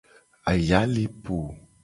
Aya le po.